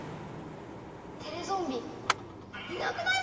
テレゾンビいなくなってる！